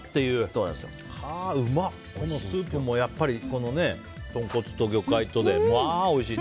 スープもやっぱり豚骨と魚介とでまあ、おいしい。